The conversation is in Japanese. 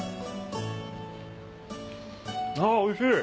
あおいしい！